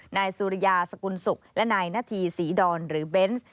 นายสุริยาสกุลศุกร์และนายนาธีศรีดอนหรือเบนส์